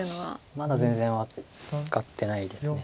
まだ全然分かってないですね。